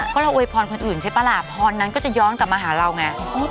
เพราะเราโวยพรคนอื่นใช่ปะล่ะพรนั้นก็จะย้อนกลับมาหาเราไง